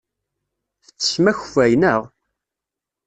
Tettessem akeffay, naɣ?